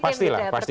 pasti lah pasti